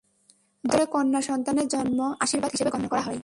দক্ষিণগড়ে কন্যা সন্তানের জন্ম আশীর্বাদ হিসাবে গণ্য করা হয়।